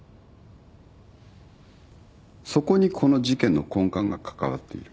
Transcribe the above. そこにこの事件の根幹が関わっている。